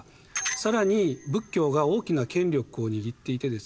更に仏教が大きな権力を握っていてですね